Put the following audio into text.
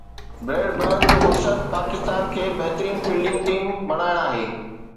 bread برن جو مقصد پاڪستان کي بهترين فيلڊنگ ٽيم بڻائڻ آهي